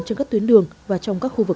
cho các tuyến đường và trong khu vực